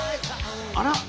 あら！